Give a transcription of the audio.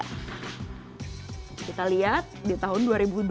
kita lihat di tahun dua ribu dua puluh